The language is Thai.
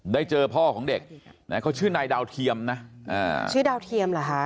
เจอพ่อของเด็กนะเขาชื่อนายดาวเทียมนะชื่อดาวเทียมเหรอฮะ